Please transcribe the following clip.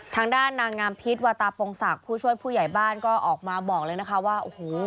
ทางด้านนางงามพิษวาตาปงศักดิ์ผู้ช่วยผู้ใหญ่บ้านก็ออกมาบอกเลยนะคะว่าโอ้โห